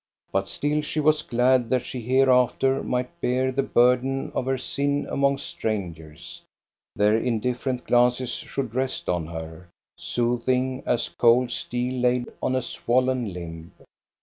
But still she was glad that she hereafter might bear the burden of her sin among strangers. Their indifferent glances should rest on her, soothing as cold steel laid on a swollen limb.